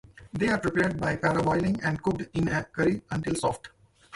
They are prepared by parboiling, and cooked in a curry until soft.